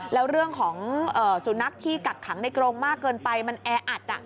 แล้วเรื่องของสุนัขที่กักขังในกรงมากเกินไปมันแออัด